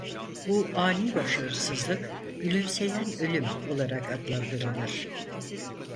Bu ani başarısızlık "gülümseyen ölüm" olarak adlandırılır.